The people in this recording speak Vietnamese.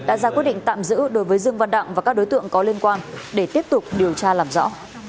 đã ra quyết định tạm giữ đối với dương văn đặng và các đối tượng có liên quan để tiếp tục điều tra làm rõ